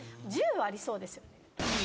１０はありそうですよね